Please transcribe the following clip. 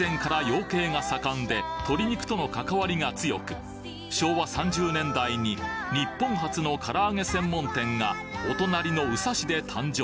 鶏肉との関わりが強く昭和３０年代に日本初のから揚げ専門店がお隣の宇佐市で誕生。